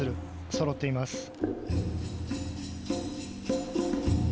回転そろっています。